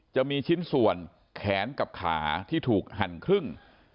จะมีชิ้นส่วนแขนกับขาที่ถูกหั่นครึ่ง